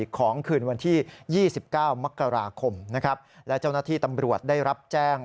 ของคืนวันที่๒๙มกราคมนะครับและเจ้าหน้าที่ตำรวจได้รับแจ้ง